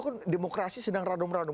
kan demokrasi sedang radom radom